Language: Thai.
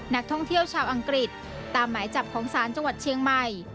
นักท่องเที่ยวชาวอังกฤษตามหมายจับของศาลจังหวัดเชียงใหม่